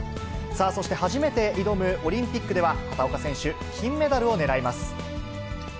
そして初めて挑むオリンピックでは、畑岡選手、金メダルを狙います。